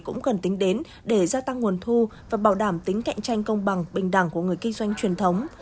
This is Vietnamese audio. cũng cần tính đến để gia tăng nguồn thu và bảo đảm tính cạnh tranh công bằng bình đẳng của người kinh doanh truyền thống